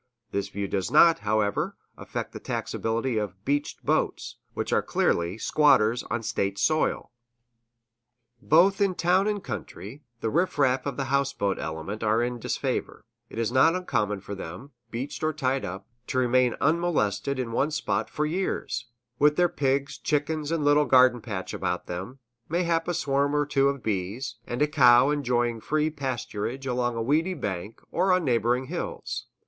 This view does not, however, affect the taxability of "beached" boats, which are clearly squatters on State soil. Both in town and country, the riffraff of the houseboat element are in disfavor. It is not uncommon for them, beached or tied up, to remain unmolested in one spot for years, with their pigs, chickens, and little garden patch about them, mayhap a swarm or two of bees, and a cow enjoying free pasturage along the weedy bank or on neighboring hills.